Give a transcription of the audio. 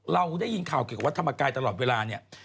เราได้ยินข่าวเกี่ยวกับวัดธรรมกายตลอดเวลาเนี่ย